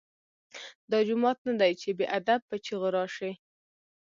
دا جومات نه دی چې بې ادب په چیغو راشې.